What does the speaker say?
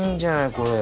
これ。